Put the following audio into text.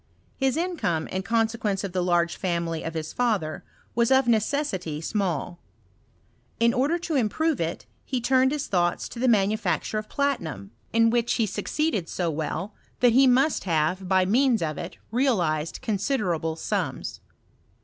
NLis income, in consequence •I the large family of his father, was of nec^sity malL In order to improve it he turned his thoughts i» tlte manufacture, of platinum, in which he sue* 248 HISTORY OF CHEMIST&T. ceeded so well, that he most haTe, by means of k, realized considerable sums.